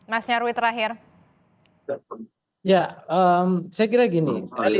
masnya rwi terakhir ya saya kira gini